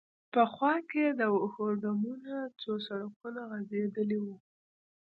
په خوا کې د وښو ډمونه، څو سړکونه غځېدلي و.